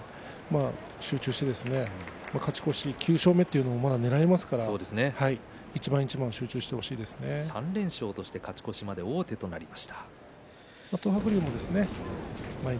集中して勝ち越しそして９勝目もねらえますから３連勝として勝ち越しまで王手としました。